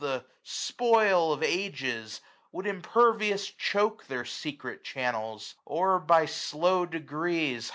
The spoil of ages, would impervious choak 765 Their secret channels ; or, by slow degrees.